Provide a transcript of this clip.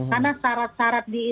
karena syarat syarat diisolasi